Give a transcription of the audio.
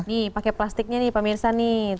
nih pakai plastiknya nih pemirsa nih